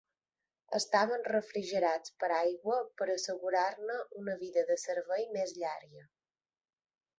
Estaven refrigerats per aigua per assegurar-ne una vida de servei més llarga.